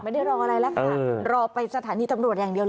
ไม่ได้รออะไรแล้วค่ะรอไปสถานีตำรวจอย่างเดียวเลย